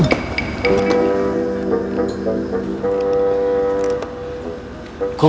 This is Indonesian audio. tidak ada klinik tabur di jeraus ini kum